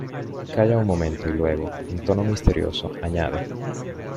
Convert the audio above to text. calla un momento y luego, en tono misterioso , añade: